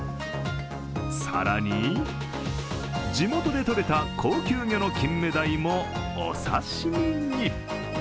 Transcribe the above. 更に、地元でとれた高級魚の金目鯛もお刺身に。